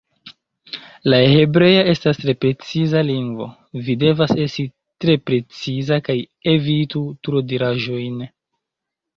La hebrea estas tre preciza lingvo, vi devas esti tre preciza kaj evitu tro-diraĵojn.